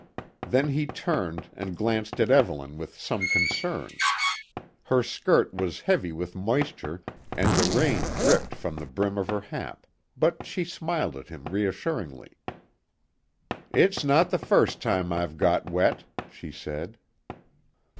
Then he turned, and glanced at Evelyn with some concern. Her skirt was heavy with moisture, and the rain dripped from the brim of her hat, but she smiled at him reassuringly. "It's not the first time I've got wet," she said.